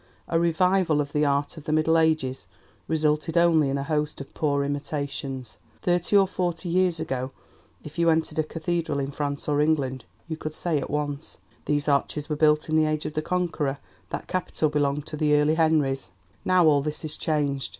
A 'revival' of the art of the Middle Ages resulted only in a host of poor imitations. "Thirty or forty years ago, if you entered a cathedral in France or England, you could say at once, 'These arches were built in the age of the Conqueror that capital belonged to the earlier Henrys.' ... Now all this is changed.